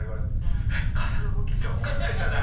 「えっ？風の向き？」って分かんないじゃない。